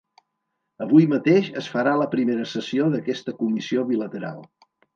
Avui mateix es farà la primera sessió d’aquesta comissió bilateral.